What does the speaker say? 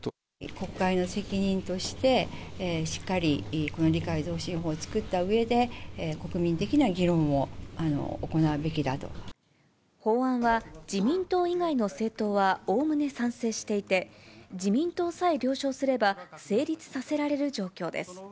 国会の席として、しっかりこの理解増進法を作ったうえで、法案は、自民党以外の政党はおおむね賛成していて、自民党さえ了承すれば、成立させられる状況です。